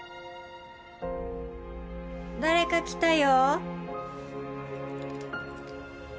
誰か来たよ。